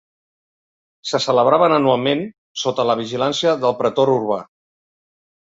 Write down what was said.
Se celebraven anualment sota la vigilància del pretor urbà.